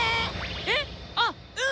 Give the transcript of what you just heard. えっ⁉あうん